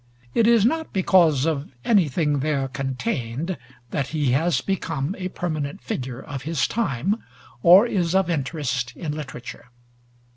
It is not because of anything there contained that he has become a permanent figure of his time, or is of interest in literature.